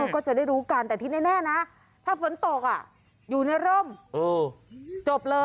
ก็จะได้รู้กันแต่ที่แน่นะถ้าฝนตกอยู่ในร่มจบเลย